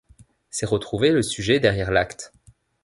C'est retrouver le sujet derrière l'acte.